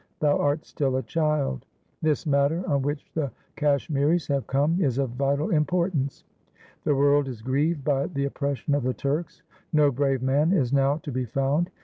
Thou art still a child. b b 2 372 THE SIKH RELIGION This matter on which the Kashmiris have come is of vital importance. The world is grieved by the oppression of the Turks. No brave man is now to be found.